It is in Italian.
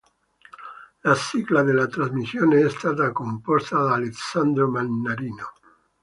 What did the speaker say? La sigla della trasmissione è stata composta da Alessandro Mannarino.